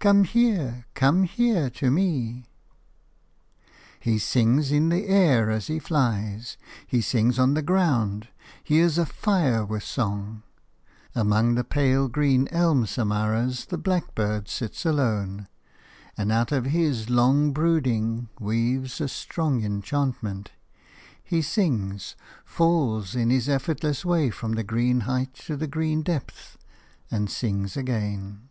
Come here, come here to me!" He sings in the air as he flies; he sings on the ground; he is afire with song. Among the pale green elm samaras the blackbird sits alone, and out of his long brooding weaves a strong enchantment. He sings, falls in his effortless way from the green height to the green depth, and sings again.